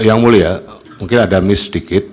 yang mulia mungkin ada miss sedikit